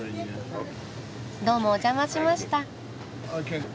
どうもお邪魔しました。